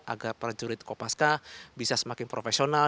agar prajurit kopaska bisa semakin profesional